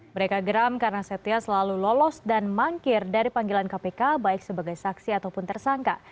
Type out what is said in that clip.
mereka geram karena setia selalu lolos dan mangkir dari panggilan kpk baik sebagai saksi ataupun tersangka